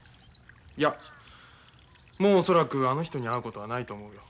いやもう恐らくあの人に会うことはないと思うよ。